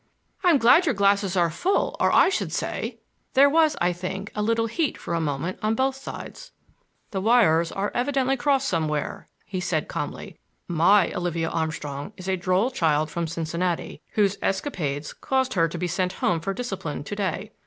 "I'm glad your glasses are full, or I should say—" There was, I think, a little heat for a moment on both sides. "The wires are evidently crossed somewhere," he said calmly. "My Olivia Armstrong is a droll child from Cincinnati, whose escapades caused her to be sent home for discipline to day.